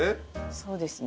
そうですね。